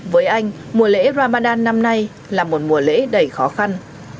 với anh mùa lễ ramadan năm nay là một mùa lễ đầy khó khăn